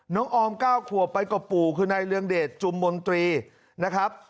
ออม๙ขวบไปกับปู่คือนายเรืองเดชจุมมนตรีนะครับ